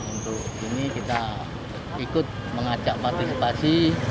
untuk ini kita ikut mengajak partisipasi